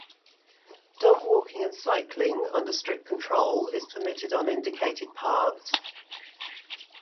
Dog walking and cycling, under strict control, is permitted on indicated paths.